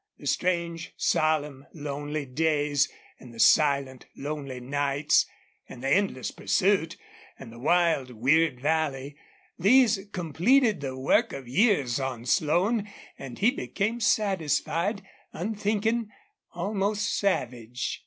The strange, solemn, lonely days and the silent, lonely nights, and the endless pursuit, and the wild, weird valley these completed the work of years on Slone and he became satisfied, unthinking, almost savage.